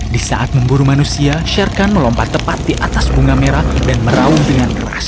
di saat memburu manusia sherkan melompat tepat di atas bunga merah dan meraung dengan keras